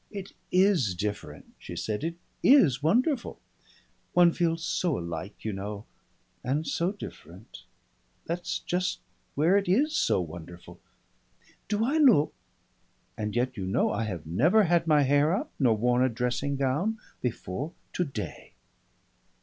"It is different," she said. "It is wonderful. One feels so alike, you know, and so different. That's just where it is so wonderful. Do I look ? And yet you know I have never had my hair up, nor worn a dressing gown before today."